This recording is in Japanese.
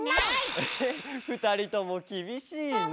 えっふたりともきびしいな。